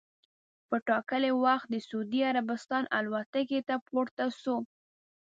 په ټا کلي وخت د سعودي عربستان الوتکې ته پورته سو.